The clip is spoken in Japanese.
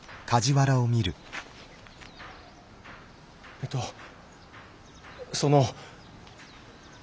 えっとその。